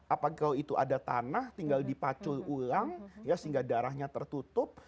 apakah itu ada tanah tinggal dipacul ulang ya sehingga darahnya tertutup